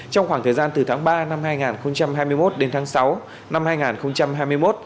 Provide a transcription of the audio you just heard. trong khoảng thời gian từ tháng ba năm hai nghìn hai mươi một đến tháng sáu năm hai nghìn hai mươi một